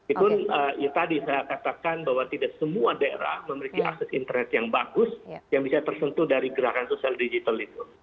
itu ya tadi saya katakan bahwa tidak semua daerah memiliki akses internet yang bagus yang bisa tersentuh dari gerakan sosial digital itu